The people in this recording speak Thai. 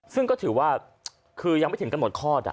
ซึ่งก็ถือว่าคือยังไม่ถึงกำหนดคลอด